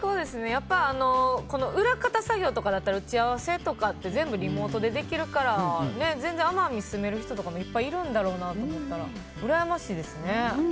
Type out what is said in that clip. やっぱ、裏方作業とかだったら打ち合わせとかって全部リモートでできるから全然、奄美に住める人もいっぱいいるんだろうなと思ったらうらやましいですね。